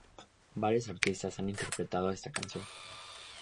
Varios artistas han interpretado esta canción.